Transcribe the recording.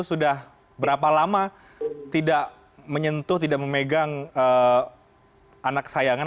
sudah berapa lama tidak menyentuh tidak memegang anak kesayangan